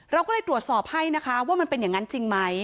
เราก็เลยตรวจสอบให้นะคะว่ามันเป็นอย่างนั้นจริงไหม